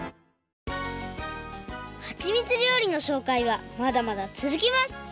はちみつりょうりのしょうかいはまだまだつづきます！